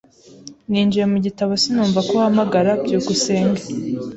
Ninjiye mu gitabo sinumva ko uhamagara. byukusenge